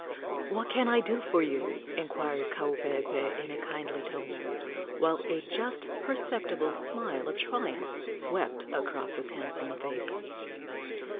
"What can I do for you?" inquired Kaupeepee in a kindly tone, while a just perceptible smile of triumph swept across his handsome face.